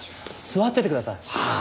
座っててください。